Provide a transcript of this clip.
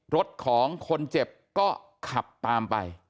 รถของคนเจ็บก็ขับตามไป